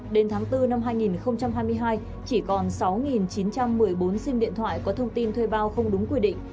đến tháng bốn năm hai nghìn hai mươi hai chỉ còn sáu chín trăm một mươi bốn sim điện thoại có thông tin thuê bao không đúng quy định